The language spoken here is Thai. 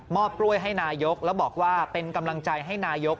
กล้วยให้นายกแล้วบอกว่าเป็นกำลังใจให้นายก